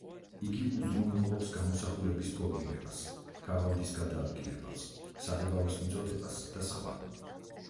იგი უზრუნველყოფს გამოსახულების ფორმირებას, ქაღალდის გადაადგილებას, საღებავის მიწოდებას და სხვა.